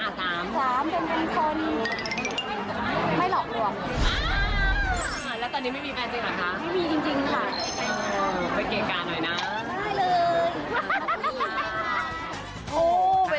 สุดท้ายสุดท้าย